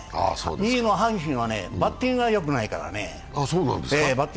２位の阪神はバッティングがよくないからね。